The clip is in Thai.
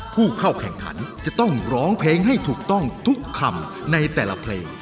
ผู้เข้าแข่งขันจะต้องร้องเพลงให้ถูกต้องทุกคำในแต่ละเพลง